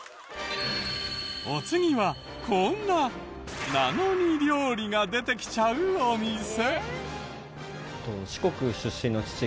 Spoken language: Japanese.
お次はこんななのに料理が出てきちゃうお店。